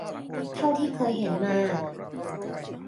เท่าที่เคยเห็นมา